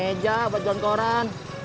meja buat jualan koran